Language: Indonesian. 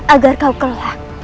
agar kau kelak